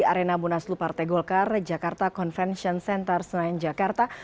arena munaslu partai golkar jakarta convention center senayan jakarta